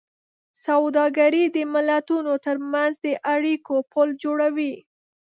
سوداګري د ملتونو ترمنځ د اړیکو پُل جوړوي.